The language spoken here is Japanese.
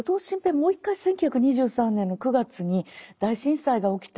もう１回１９２３年の９月に大震災が起きた